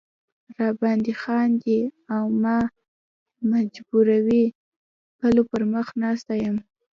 را باندې خاندي او ما محجوبوي پلو پر مخ ناسته یم.